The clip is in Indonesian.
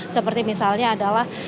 seperti misalnya adalah